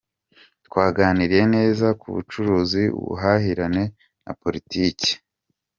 Twaganiriye neza ku bucuruzi, ubuhahirane na politiki.”